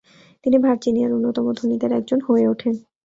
তিনি ভার্জিনিয়ার অন্যতম ধনীদের একজন হয়ে ওঠেন।